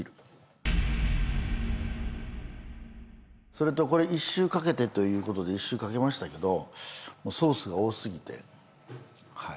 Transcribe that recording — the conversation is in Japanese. それとこれ１周かけてということで１周かけましたけどソースが多すぎてはい